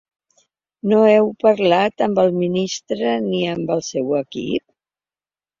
No heu parlat amb el ministre ni amb el seu equip?